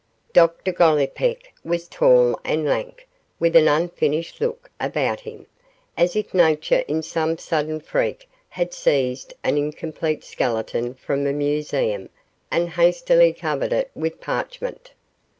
Dr Gollipeck was tall and lank, with an unfinished look about him, as if Nature in some sudden freak had seized an incomplete skeleton from a museum and hastily covered it with parchment.